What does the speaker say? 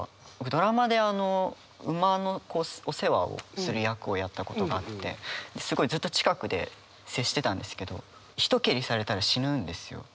ドラマで馬のお世話をする役をやったことがあってすごいずっと近くで接してたんですけど一蹴りされたら死ぬんですよ。